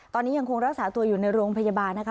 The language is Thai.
ตอนนี้ยังคงรักษาตัวอยู่ในโรงพยาบาลนะคะ